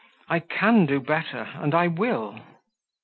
I CAN do better, and I WILL."